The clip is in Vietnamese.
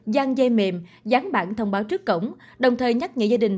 gian dây mềm dán bản thông báo trước cổng đồng thời nhắc nghệ gia đình